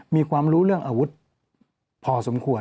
มีความรู้เรื่องอาวุธพอสมควร